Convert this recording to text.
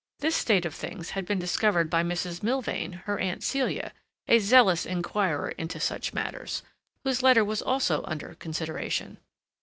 This state of things had been discovered by Mrs. Milvain, her aunt Celia, a zealous inquirer into such matters, whose letter was also under consideration.